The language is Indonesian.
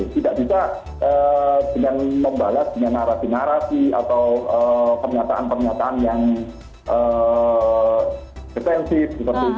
tidak bisa dengan membalas dengan narasi narasi atau pernyataan pernyataan yang defensif